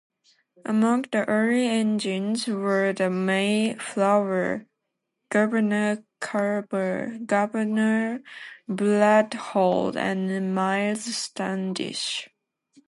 Among the early engines were the "Mayflower", "Governor Carver", "Governor Bradford" and "Miles Standish".